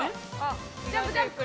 ⁉ジャンプジャンプ。